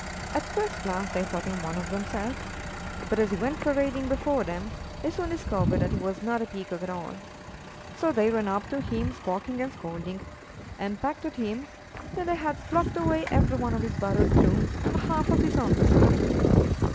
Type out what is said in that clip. At first glance they thought him one of themselves, but, as he went parading before them, they soon discovered that he was not a Peacock at all. So they ran up to him squawking and scolding, and pecked at him, till they had plucked away every one of his borrowed plumes and half of his own besides.